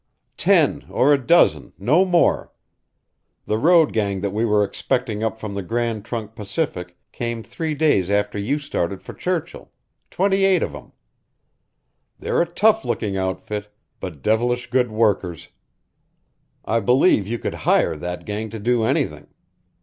"Ten or a dozen, no more. The road gang that we were expecting up from the Grand Trunk Pacific came three days after you started for Churchill twenty eight of 'em. They're a tough looking outfit, but devilish good workers. I believe you could HIRE that gang to do anything.